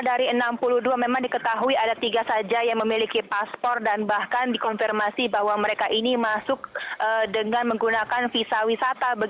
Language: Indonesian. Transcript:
dari enam puluh dua memang diketahui ada tiga saja yang memiliki paspor dan bahkan dikonfirmasi bahwa mereka ini masuk dengan menggunakan visa wisata